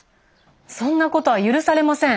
そんなことは許されません。